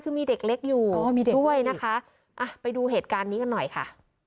คือมีเด็กเล็กอยู่มีเด็กด้วยนะคะอ่ะไปดูเหตุการณ์นี้กันหน่อยค่ะ